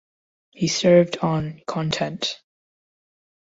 He served on "Content".